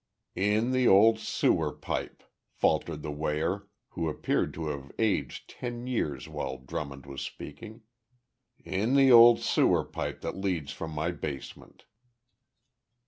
"In the old sewer pipe," faltered the weigher, who appeared to have aged ten years while Drummond was speaking. "In the old sewer pipe that leads from my basement."